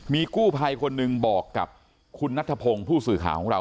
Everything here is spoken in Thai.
มีกู้ภัยคนหนึ่งบอกกับคุณนัทธพงศ์ผู้สื่อข่าวของเรา